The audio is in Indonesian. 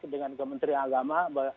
dengan kementerian agama